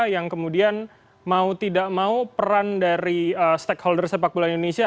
yang kemudian mau tidak mau peran dari stakeholder sepak bola indonesia